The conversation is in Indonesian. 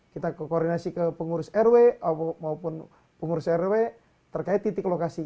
kita koordinasi ke pengurus rw maupun pengurus rw terkait titik lokasi